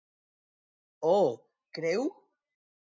Oh, creu!